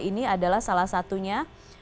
ini adalah salah satunya